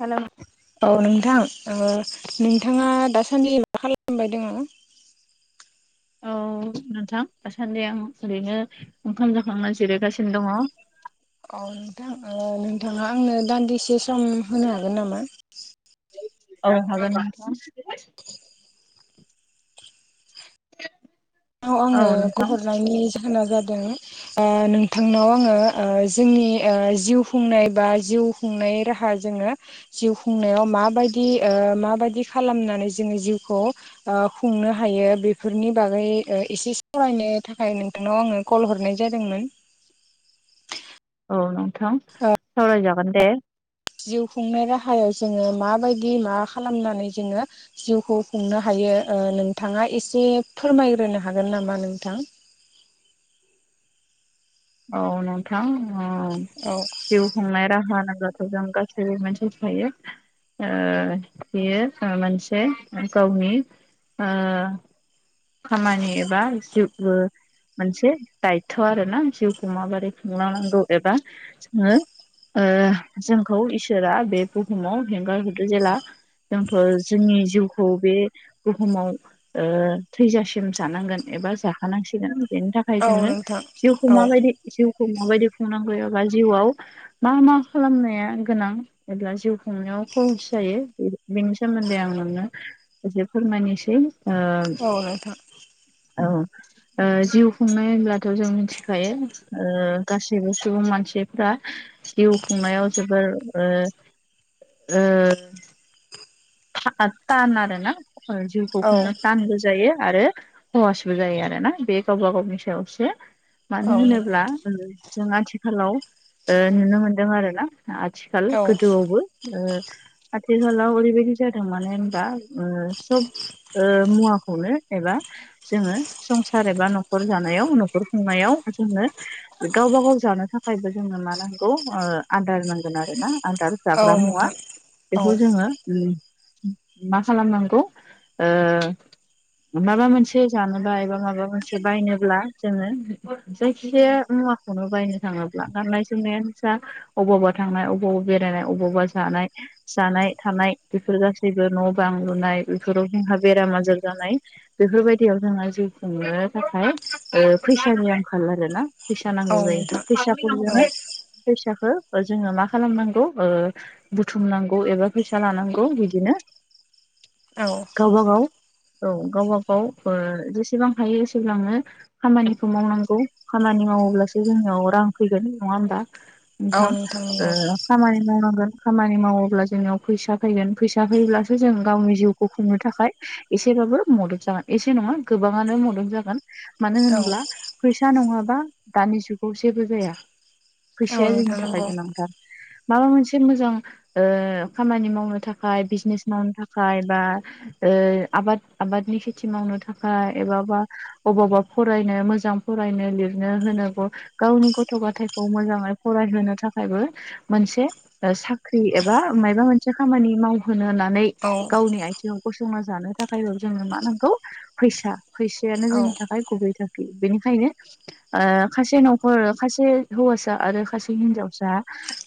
Hello नों औ नोंथां ओ नोंथाङा दासान्दि मा खालामबाय दङ औ नोंथां दासान्दि आं ओरैनो ओंखाम जाखांनानै जिरायगासिनो दङ औ नोंथां ओ नोंथाङा आंनो दान्दिसे सम होनो हागोन नामा औ हागोन नोंथां औ नोंथांनाव आङो कल नोंथां हरनायनि जाहोना जादों ओ नोंथांनाव आङो ओ जोंनि ओ जिउ खुंनाय बा जिउ खुंनाय राहा जोङो जिउ खुंनायाव माबायदि ओ माबायदि खालामनानै जोङो जिउखौ ओ खुंनो हायो बेफोरनि बागै ओ एसे सावरायनो थाखाय नोंथांनाव आङो कल हरनाय जादोंमोन औ नोंथां सावरायजागोन दे जिउ खुंनाय राहायाव जोङो माबायदि माबा खालामनानै जोङो जिउखौ खुंनो हायो ओ नोंथाङा एसे फोरमायग्रोनो हागोन नामा नोंथां औ नोंथां औ औ जिउ खुंनाय राहा होनोब्ला जों गासैबो मोनथि‌ खायो ओ बियो ओ मोनसे गावनि ओ खामानि एबा जिउ बो मोनसे दायथ' आरोना जिउखौ माबोरै खुंलांनांगौ एबा जोङो ओ जोंखौ इसोरा बे बुहुमाव हेंगारहरदो जेब्ला जोंथ जोंनि जिउखौ बे बुहुमाव ओ थैजासिम जानांगोन एबा जाखानांसिगोन बेनि थाखाय औ जोङो नोंथां जिउखौ औ माबायदि जिउखौ माबायदि खुंनांगौ एबा जिउआव मा मा खालामनाया गोनां एबा जिउ खुंनायाव खहस जायो बेनि सोमोन्दै आं नोंनो एसे फोरमायनोसै ओ औ नोंथां औ ओ जिउ खुंनाय होनब्लाथ' जों मिथिखायो ओ गासिबो सुबुं मानसिफ्रा जिउ खुंनायाव जोबोर ओ ओ थाखा थान आरो ना जिउखौ औ खुंनो थानबो जायो आरो खहसबो जायो आरोना बे गावबा गावनि सायावसो औ मानो नोंथां होनोब्ला उम जों आथिखालाव ओ नुनो मोनदों आरोना आथिखाल औ गोदोआवबो ओ आथिखालाव ओरैबायदि जादों मानो होनबा ओम सब ओ मुवाखौनो एबा जोङो संसार एबा न'खर जानायाव न'खर खुंनायाव जोङो गावबा गाव जानो थाखायबो जोङो मा नांगौ ओ आदार नांगोन आरोना आदार औ जाग्रा मुवा नोंथां औ बेखौ जोङो लि मा खालाम नांगौ ओ माबा मोनसे जानोबा एबा माबा मोनसे बायनोब्ला जोङो जायखिजाया मुवा खौनो बायनो थाङोब्ला गाननाय जोमनायानो जा अबावबा थांनाय अबावबा बेरायनाय अबावबा जानाय जानाय थानाय बेफोर गासैबो न'-बां लुनाय बेफोराव जोंहा बेराम आजार जानाय बेफोरबायदियाव जोङो जिउ खुंनो थाखाय ओ फैसानि आंखाल आरोना फिसा औ नांगौ जायो नोंथां औ फैसाफोरजोंहाय फैसाखो जोङो मा खालामनांगौ ओ बुथुमनांगौ एबा फैसा लानांगौ औ बिदिनो औ गाव बागाव औ गावबा गाव ओ जेसेबां हायो एसेब्लांनो खामानिखौ मावनांगौ खामानि मावोब्लासो जोंनियाव रां फैगोन। नङा होमबा? औ नोंथां नंगौ ओ खामानि मावनांगोन खामानि मावोब्ला जोंनियाव फैसा फैगोन फैसा फैयोब्लासो जों गावनि जिउखौ खुंनो थाखाय एसेबाबो मदद जागोन। एसे नङा गोबाङानो मदद जागोन। मानो औ होनब्ला फैसा नङाबा दानि जुगाव जेबो जाया। औ फैसाया जोंनि नोंथां थाखाय नंगौ गोनांथार। माबा मोनसे मोजां ओ खामानि मावनो थाखाय बिजनेस मावनो थाखाय बा ओ आबाद आबादनि खेथि मावनो थाखाय एबाबा अबावबा फरायनो मोजां फरायनो लिरनो होनो ग गावनि गथ' गथायखौ मोजाङै फरायहोनो थाखायबो मोनसे साख्रि एबा माइबा मोनसे खामानि मावहोनो होननानै औ गावनि आथिङाव गसंना जानो थाखायबाबो जोंनो मा नांगौ फैसा फैसायानो औ जोंनि थाखाय गुबै थांखि बेनिखायनो ओ खासे न'खर खासे हौवासा आरो खासे हिन्जावसा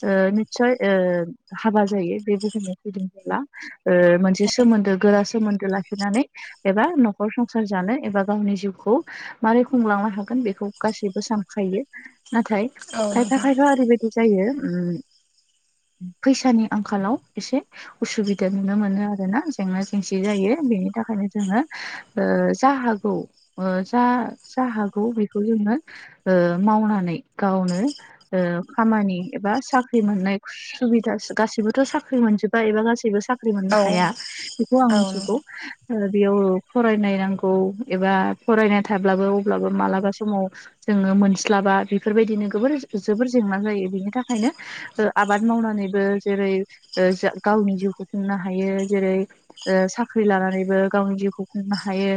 ओ निसय ओ हाबा जायो बे बुहनाय फैदोंब्ला। मोनसे सोमोन्दो गोरा सोमोन्दो लाखिनानै एबा न'खर संसार जानो एबा गावनि जिउखौ मारोरै खुंलांनो हागोन बेखौ गासैबो सानखायो नाथाय औ खायफा नोंथां खायफा ओरैबायाददि जायो ओम फैसानि आंखालाव एसे उसुबिदा नुनो मोनो आरोना जेंना जेंसि जायो बेनि थाखायनो जोङो जा हागौ जा जा हागौ बेखौ जोंनो ओ मावनानै गावनो खामानि एबा साख्रि मोननाय सुबिदासो गासिबोथ' साख्रि ख्रि मोनजोबा एबा गासैबो साख्रि मोननो औ हाया बेखौ आं औ मिथिगौ। नोंथां ओ बेयाव फरायनाय नांगौ एबा फरायनाय थाब्लाबो अब्लाबो मालाबा समाव जोङो मोनस्लाबा बेफोरबायदिनो गोबोर जोबोर जेंना जायो। बेनि थाखायनो ओ आबाद मावनानैबो जेरै ओ जा गावनि जिउखौ खुंनो हायो। जेरै ओ साख्रि लानानैबो गावनि जिउखौ खुंनो हायो।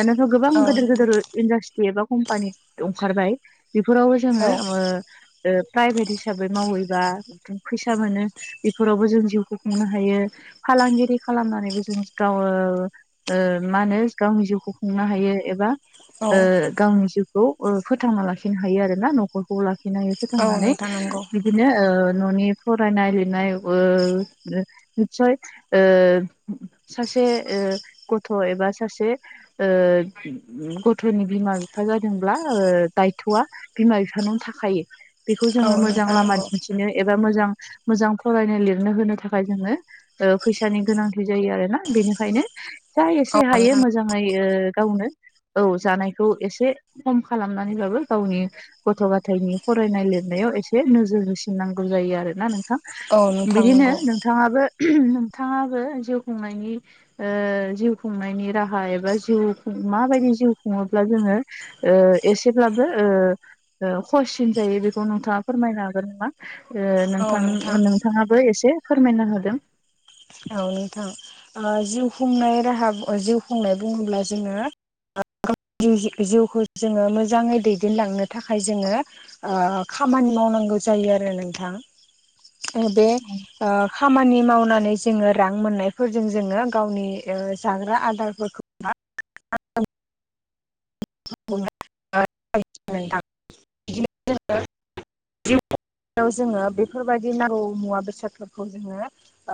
दानाथ' गोबां औ गिदोर नोंथां गोदोर इन्डास्ट्रि एबा कम्पानि ओंखारबाय। बेफोरावबो जोङो औ ओ ओ प्राइभेट हिसाबै मावहैबा फैसा मोनो। बेफोरावबो जों जिउखौ खुंनो हायो फालांगिरि खालामनानैबो जों गाव मा होनो गावनि जिउखौ खुंनो हायो एबा ओ औ गावनि जिउखौ फोथांना लाखिनो हायो आरोना न'खरखौ लाखिनो हायो। औ फोथांनानै नोंथां नंगौ बिदिनो ओ न'नि फरायनाय लिरनाय नित्सय ओ सासे गथ' एबा सासे ओ गथ'नि बिमा बिफा जादोंब्ला ओ दायथ'आ बिमा बिफानावनो थाखायो बेखौ औ जोङो मोजां नोंथां लामा नंगौ दिन्थि बिदिनो एबा मोजां मोजां फरायनो लिरनो होनो था थाखाय जोङो ओ फैसानि गोनांथि जायो आरोना बेनिखायनो जा एसे औ हायो नोंथां मो मोजाङै ओ गावनो औ जानायखौ एसे खम खालामनानैबाबो गावनि गथ' गथायनि फरायनाय लिरनायाव एसे नोजोर होसिननांगौ जायो आरो ना नों थां। औ नोंथां बिदिनो नंगौ नोंथाङाबो नोंथाङाबो जिउ खुंनायनि जिउ खुंनायनि राहा एबा जिउ माबायदि जिउ खुङोब्ला जोङो ओ एसेब्लाबो खहससिन जायो बेखौ नोंथाङा फोरमायनो हागोन नामा? नोंथां नोंथाङाबो एसे फोरमायना होदों। औ नोंथां‌‌। ओ जिउ खुंनाय राहा जिउ खुंनाय बुङोब्ला जोङो [unintelligible] जि जिउखौ जोङो मोजाङै दैदेनलांनो थाखाय जोङो ओ खामानि मावनांगौ जायो आरो नोंथां ओ बे आ खामानि मावनानै जोङो रां मोननायफोरजों जोङो गावनि ओ जाग्रा आदारफोरखौ [unintelligible] नोंथां बिदिनो [unintelligible] [unintelligible] जोङो बेफोरबायदि नांगौ मुवा बेसादफोर खौ जोङो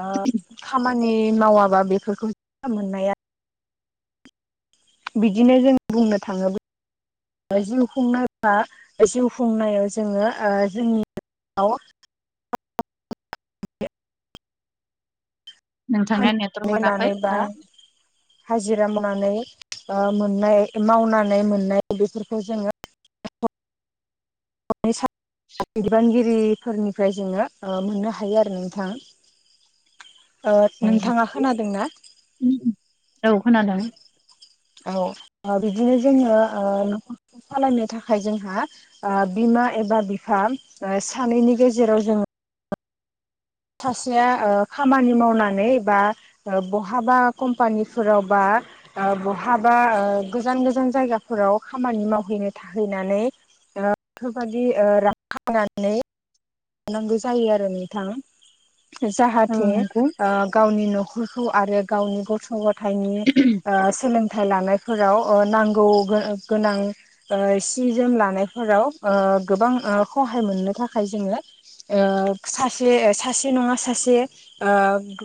ओ खामानि मावाबा बेफोरखौ मोननाया बिदिनो जों बुंनो थाङोब्ल ओ जिउ खुंनो [unintelligible] जिउ खुंनायाव जोङो ओ जोंनि [unintelligible] नोंथांना नेत नेनानैबा हाजिरा मावनानै ओ मोननाय मावनानै मोननाय बेफोरखौ जोङो [unintelligible] सा बिबानगिरिफोरनिफ्राय जोङो ओ मोननो हायो आरो नोंथां ओ नोंथाङा खोनादों ना? [unintelligible] औ खोनादों [unintelligible] ओ बिदिनो जोङो ओ सालायनो थाखाय जोंहा बिमा एबा बिफा सानैनि गेजेराव जोङो थासेया ओ खामानि मावनानै बा ओ बहाबा कम्पानिफोराव बा आ बहाबा ओ गोजान गोजान जायगाफोराव खामानि मावहैनो थाहैनानै आ [unintelligible] फोरबादि ओ रां [unintelligible] जानांगौ जायो आरो नोंथां औ जाहाथे नंगौ ओ गावनि न'ख [unintelligible] आरो गावनि गथ' गथायनि ओ सोलोंथाइ लानाय फोराव ओ नांगौ गोगोनां ओ सि जोम लानायफोराव ओ गोबां ओ खहाय मोननो थाखाय जोङो ओ सासे सासे नङा सासे ओ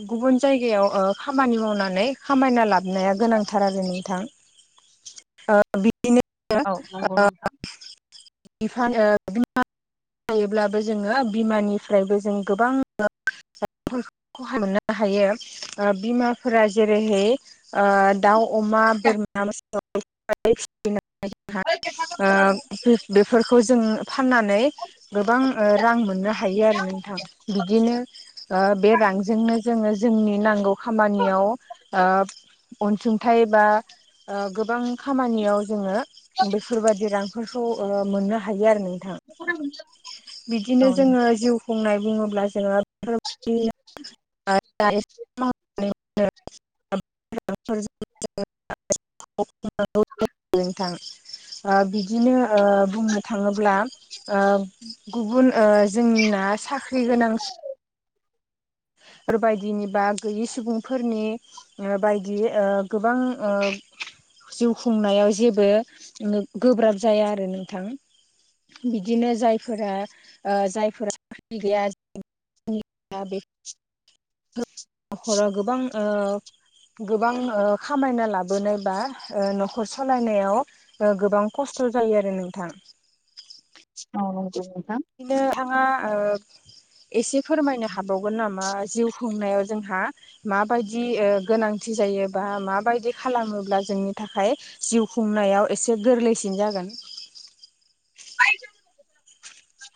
गुबुन जायगायाव ओ खामानि मावनानै खामायना लाबनाया गोनांथार आरो नोंथां ओ बिदिनो औ नंगौ नों ओ [unintelligible] ब्लाबो जोङो बिमानिफ्रायबो जों गोबां [unintelligible] खहा मोननो हायो ओ बिमाफोरा जेरैहेय ओ दाउ अमा बोरमा मोसौ [unintelligible] फोरखौ जों फाननानै गोबां ओ रां मोन मोननो हायो आरो नोंथां बिदिनो ओ बे रांजोंनो जोङो जोंनि नांगौ खामानियाव ओ अनसुंथाइ बा ओ गोबां खामानियाव जोङो बेफोरबायदि रांफोरखौ ओ मोननो हायो आरो नोंथां बिदि औ नंगौ औ जोङो जिउ खुंनाय बुङोब्ला जोङो [unintelligible] [unintelligible] [unintelligible] नोंथां आ बिदिनो ओ बुंनो थाङोब्ला ओ गुबुन ओ जोंना साख्रि गोनां सु फोरबायदिनि बा गैयि सुबुंफोरनि न्यो बायदि ओ गोबां ओ जिउ खुंनायाव जेबो उम गोब्राब जाया आरो नोंथां बिदिनो जायफोरा ओ जायफोरा साख्रि गैया [unintelligible] [unintelligible] नखराव गोबां ओ गोबां ओ खामायना लाबोनाय बा ओ न'खर सालायनायाव ओ गोबां खस्थ' जायो आरो नोंथां। औ नोंगौ नोंथां। बिदिनो आङा ओ एसे फोरमायनो हाबावगोन नामा जिउ खुंनायाव जोंहा माबायदि ओ गोनांथि जायो बा माबायदि खालामोब्ला जोंनि थाखाय जिउ खुंनायाव एसे गोरलैसिन जागोन।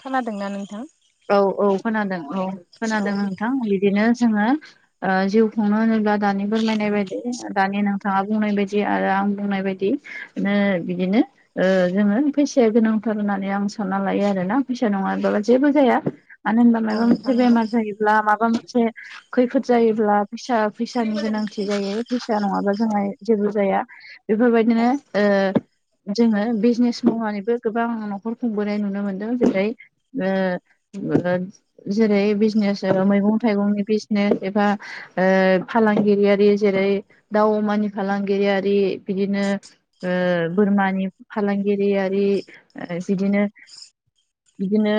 खोनादोंना नोंथां? औ औ खोनादों औ औ खोनादों नोंथां बिदिनो जोङो ओ जिउ खुंनो होनोब्ला दानि बोरमायनाय बायदि दानि नोंथाङा बुंनाय बायदि आरो आं बुंनाय बायदि नो बिदिनो ओ जोङो फैसाया गोनांथार होननानै आं सानना लायो आरो ना फैसा नङाबाला जेबो जाया मानो होनबा औ मायबा मोनसे नोंथां नंगौ बेमार जायोब्ला माबा मोनसे खैफोद जायोब्ला फैसा फैसानि गोनांथि जायो फैसा नङाबा जोंहा जेबो जाया। बेफोरबायदिनो ओ [inaudible] जोङो बिजनेस मावनानैबो गोबां नखर खुंबोनाय नुनो मोनदों जेरै ओ जेरै बिजनेस आरो मैगं थाइगंनि बिजनेस एबा ओ फालांगिरियारि जेरै दाव अमानि फालांगिरियारि बिदिनो ओ बोरमानि फालांगिरियारि जिदिनो बिदिनो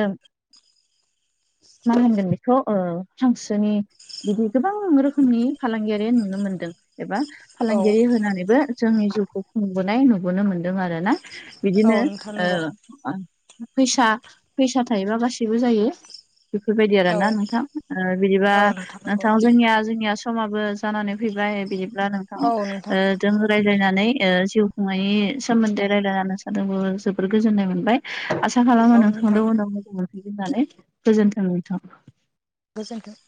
मा होनगोन बेखौ ओ हांसोनि बिदि गोबां रोखोमनि फालांगियारि नुनो मोनदों। एबा औ फालांगिरि होनानैबो जोंनि जिउखौ खुंबोनाय नुबोनो मोनदों आरो ना। औ बिदिनो नोंथां नंगौ ओ फैसा फैसा थायोबा गासि सिबो जायो बेफोरबायदि आरो औ ना नोंथां ओ बिदिबा औ नंगौ नोंथां जोनिया जोनिया समाबो जानानै फैबाय बिदिब्ला नोंथां औ ओ नोंथां जों रायज्लायनानै ओ जिउ खुंनायनि सोमोन्दै रायलायना नोंसोरदोबो जोबोर गोजोननाय मोनबाय। आसा खालामो औ नोंथां नोंथांदो उनाव लोगो मोनफिनगोन होननानै गोजोनथों नोंथां। गोजोन्थों।